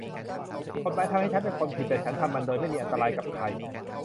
กฎหมายทำให้ฉันเป็นคนผิดแต่ฉันทำมันโดยไม่มีอันตรายกับใคร